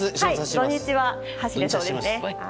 土日は走れそうですね。